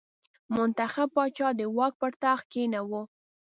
منتخب پاچا د واک پر تخت کېناوه.